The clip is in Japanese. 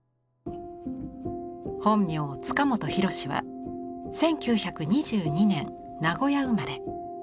本名塚本廣は１９２２年名古屋生まれ。